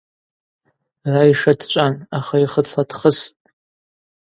Райша дчӏван, ахарихыцла дхыстӏ.